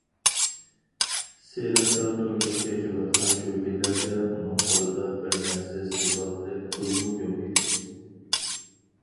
سېرىقتال تۇرمۇش كەچۈرۈۋاتقان شۇ كۈنلەردە، ئۇنىڭ قولىدا بىر نەرسە سېتىۋالغۇدەك پۇلمۇ يوق ئىدى.